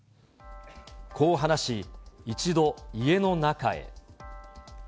こう話し、一度、家の中へ。